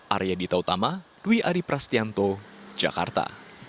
arya dita utama dwi adi prasetyanto jakarta